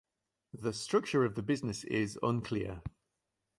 The structure of the business is unclear.